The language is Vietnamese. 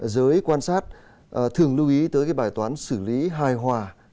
giới quan sát thường lưu ý tới cái bài toán xử lý hài hòa